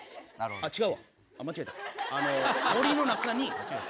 あっ、違う。